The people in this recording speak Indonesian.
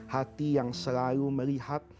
hati yang selalu melihat